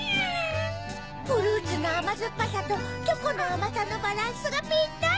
フルーツのあまずっぱさとチョコのあまさのバランスがピッタリ！